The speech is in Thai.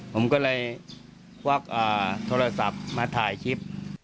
ผมก็เลยควักโทรศัพท์มาถ่ายคลิป